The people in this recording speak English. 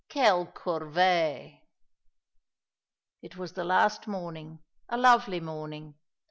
Quelle corvée!" It was the last morning, a lovely morning.